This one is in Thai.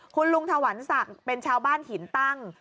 คุณลุงถวันศักดิ์เป็นชาวบ้านหินตั้ง